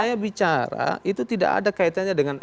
saya bicara itu tidak ada kaitannya dengan